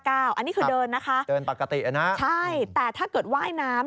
อันนี้คือเดินนะคะใช่แต่ถ้าเกิดว่ายน้ำ